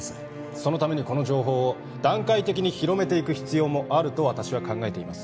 そのためにこの情報を段階的に広めていく必要もあると私は考えています